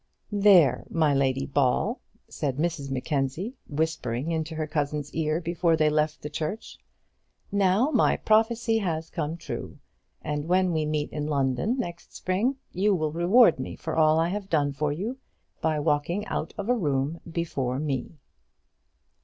"There, my Lady Ball," said Mrs Mackenzie, whispering into her cousin's ear before they left the church; "now my prophecy has come true; and when we meet in London next spring, you will reward me for all I have done for you by walking out of a room before me."